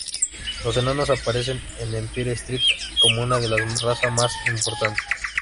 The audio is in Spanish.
Los enanos aparecen en Empire-Strike como una de las razas más importantes.